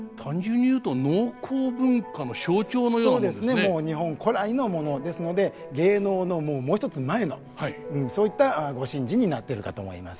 もう日本古来のものですので芸能のもう一つ前のそういったご神事になってるかと思います。